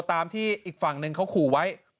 ตามที่อีกฝั่งหนึ่งเขาขู่ไว้